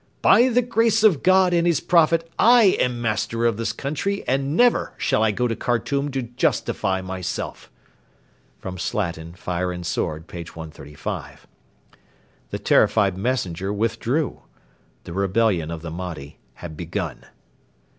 'By the grace of God and his Prophet I am master of this country, and never shall I go to Khartoum to justify myself.' [Slatin, FIRE AND SWORD, p.135.] The terrified messenger withdrew. The rebellion of the Mahdi had begun.